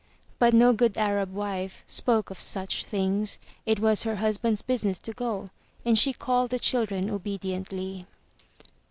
But no good Arab wife spoke of such things. It was her husband's business to go, and she called the children, obediently.